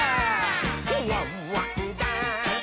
「ワンワンダンス！」